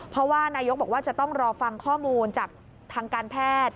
เพราะว่านายกบอกว่าจะต้องรอฟังข้อมูลจากทางการแพทย์